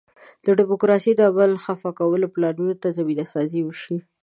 د ډیموکراسۍ د عمل خفه کولو پلانونو ته زمینه سازي وشي.